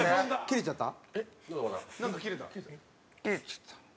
切れちゃった？